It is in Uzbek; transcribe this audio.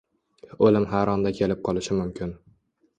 Oʻlim har onda kelib qolishi mumkin.